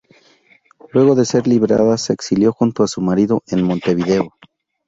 Luego de ser liberada se exilió junto a su marido en Montevideo.